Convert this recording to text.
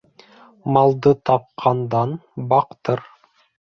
Малды тапҡандан баҡтыр.